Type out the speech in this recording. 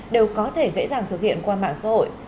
đều có thể dễ dàng thực hiện qua mạng xã hội